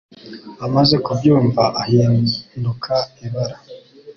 Amaze kubyumva ahinduka ibara